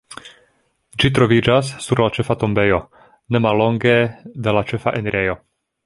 Ĝi troviĝas sur la ĉefa tombejo, ne mallonge de la ĉefa enirejo.